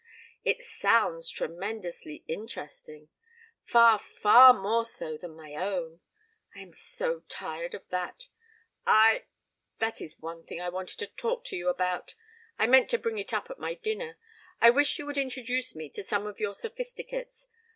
"It sounds tremendously interesting. Far, far more so than my own. I am so tired of that! I that is one thing I wanted to talk to you about I meant to bring it up at my dinner I wish you would introduce me to some of your Sophisticates.